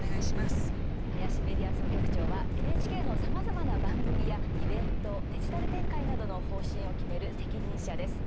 林メディア総局長はＮＨＫのさまざまな番組やイベント、デジタル展開などの方針を決める責任者です。